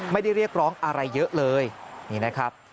เรียกร้องอะไรเยอะเลยนี่นะครับ